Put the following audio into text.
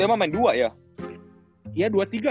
dia emang ga main tiga bawa dia emang main dua ya